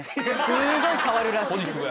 すごい変わるらしいです。